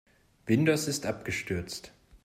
Windows ist abgestürzt.